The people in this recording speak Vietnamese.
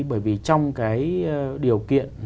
bởi vì trong điều kiện